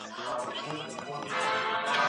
تاسي په پښتو کي د شعرونو وزن او تال پېژنئ؟